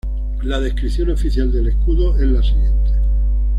La descripción oficial del escudo es la siguiente.